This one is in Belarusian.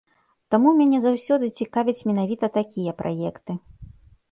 Таму мяне заўсёды цікавяць менавіта такія праекты.